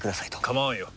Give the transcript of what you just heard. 構わんよ。